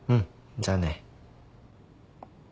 じゃあね。